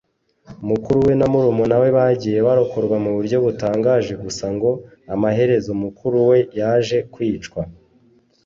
mukuru we na murumuna we bagiye barokorwa mu buryo butangaje gusa ngo amaherezo mukuru we yaje kwicwa